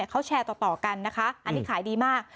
เขาแชร์ต่อกันนะคะอันนี้ขายดีมาก